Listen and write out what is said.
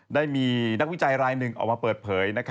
ได้มีนักวิจัยรายหนึ่งออกมาเปิดเผย